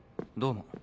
どうも。